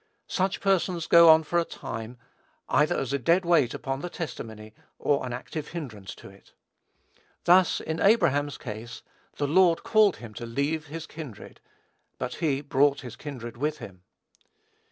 Such persons go on for a time, either as a dead weight upon the testimony, or an active hindrance to it. Thus, in Abraham's case, the Lord called him to leave his kindred; but he brought his kindred with him.